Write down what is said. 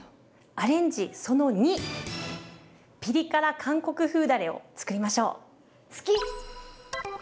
アレンジその２ピリ辛韓国風だれをつくりましょう。